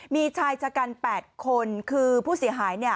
มีชายชะกัน๘คนคือผู้เสียหายเนี่ย